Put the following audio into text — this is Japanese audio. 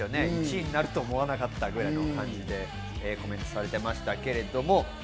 １位になると思わなかったという感じでコメントされていました。